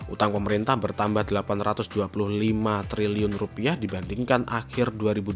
utang pemerintah bertambah delapan ratus dua puluh lima triliun dibandingkan akhir dua ribu dua puluh